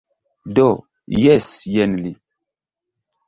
Do, jes jen li...